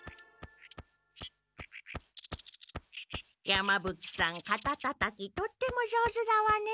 山ぶ鬼さんかたたたきとっても上手だわね。